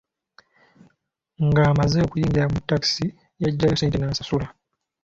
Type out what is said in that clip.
Ng'amaze okuyingira mu takisi yagyayo ssente n'asasula.